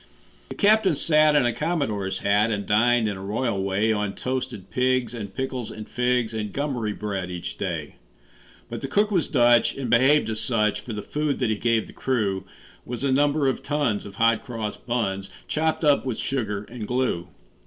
The captain sat in a commodore's hat And dined, in a royal way, On toasted pigs and pickles and figs And gummery bread, each day. But the cook was Dutch, and behaved as such; For the food that he gave the crew Was a number of tons of hot cross buns, Chopped up with sugar and glue.